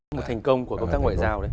một thành công của công tác ngoại giao đấy